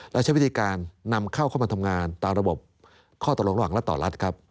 และใช้วิธีการนำเข้าเข้ามาทำงานตามระบบข้อตกลงระหว่างรัฐต่อรัฐครับ